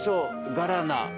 ガラナ。